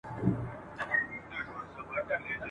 هغه کسان چي علم لري، هیڅکله وروسته نه پاته کيږي.